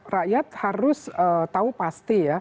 rakyat harus tahu pasti